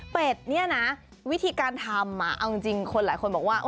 เนี่ยนะวิธีการทำเอาจริงคนหลายคนบอกว่า